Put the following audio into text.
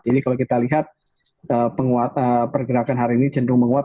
jadi kalau kita lihat pergerakan hari ini cenderung menguat